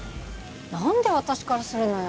何で私からするのよ